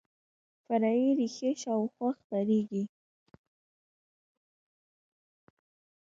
فرعي ریښې شاوخوا خپریږي